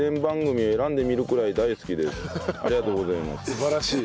素晴らしい。